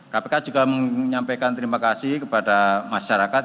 kpk juga menyampaikan terima kasih kepada masyarakat